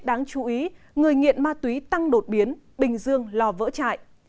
đáng chú ý người nghiện ma túy tăng đột biến bình dương lo vỡ chạy